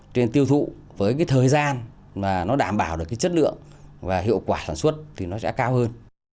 cho nên tiêu thụ với cái thời gian mà nó đảm bảo được cái chất lượng và hiệu quả sản xuất thì nó sẽ cao hơn